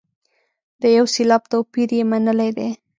د یو سېلاب توپیر یې منلی دی.